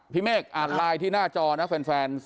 เมฆอ่านไลน์ที่หน้าจอนะแฟน